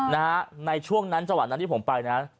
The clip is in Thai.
ในช่วงนั้นจังหวะนั้นที่ผมไปนะ